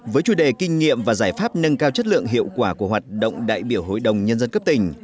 với chủ đề kinh nghiệm và giải pháp nâng cao chất lượng hiệu quả của hoạt động đại biểu hội đồng nhân dân cấp tỉnh